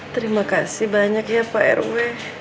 terima kasih banyak ya pak rw